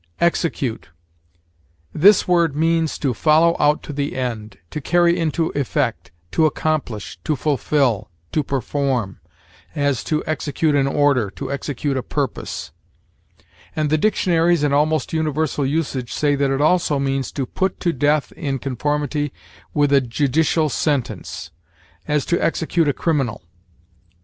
EXECUTE. This word means to follow out to the end, to carry into effect, to accomplish, to fulfill, to perform; as, to execute an order, to execute a purpose. And the dictionaries and almost universal usage say that it also means to put to death in conformity with a judicial sentence; as, to execute a criminal.